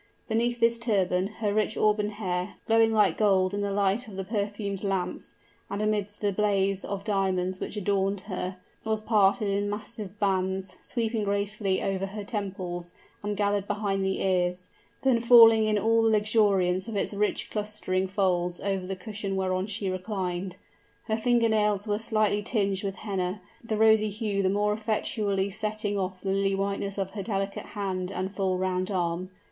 Beneath this turban, her rich auburn hair, glowing like gold in the light of the perfumed lamps, and amidst the blaze of diamonds which adorned her, was parted in massive bands, sweeping gracefully over her temples and gathered behind the ears, then falling in all the luxuriance of its rich clustering folds over the cushion whereon she reclined. Her finger nails were slightly tinged with henna, the rosy hue the more effectually setting off the lily whiteness of her delicate hand and full round arm.